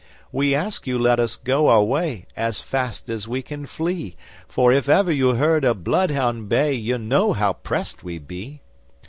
'We ask you let us go our way, As fast as we can flee, For if ever you heard a bloodhound bay, You'll know how pressed we be.